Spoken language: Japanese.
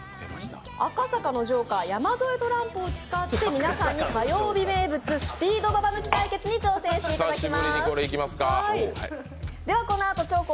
赤坂のジョーカー山添トランプを使って皆さんに火曜日名物スピードババ抜き対決にサーフィンがしたいです。